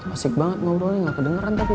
asik banget ngobrolin gak kedengeran tapi